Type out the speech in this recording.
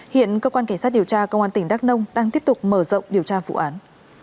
hiện cơ quan cảnh sát điều tra công an tỉnh đắk nông đang tiếp tục mở rộng điều tra vụ án